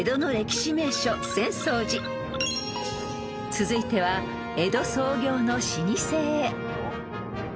［続いては江戸創業の老舗へ］